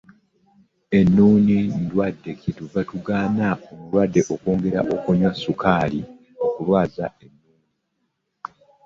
Ennuuni ndwadde, kye tuva tugaana omulwadde okunywa sukaali okwongera ennuuni obuzibu.